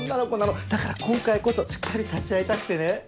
だから今回こそしっかり立ち会いたくてね。